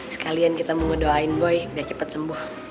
sekalian kita mau ngedoain boy biar cepat sembuh